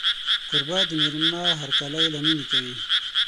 کوربه د مېلمه هرکلی له مینې کوي.